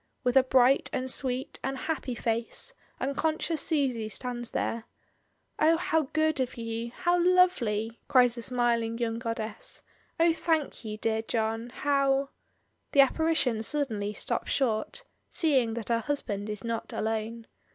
With a bright, and sweet, and happy face, im conscious Susy stands there. "Oh, how good of you, how lovely," cries the smiling young goddess — "oh, thank you, dear John. How " The apparition suddenly stops short, seeing that I2» l8o MRS. DYMOND. her husband is not alone.